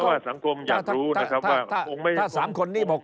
ก็ว่าสังคมอยากรู้นะครับว่าถ้า๓คนนี้บอก